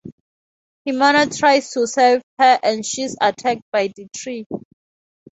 Himeno tries to save her and she's attacked by the tree.